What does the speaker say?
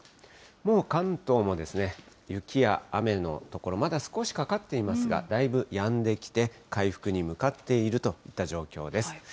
もう関東も雪や雨の所、まだ少しかかっていますが、だいぶやんできて、回復に向かっているといった状況です。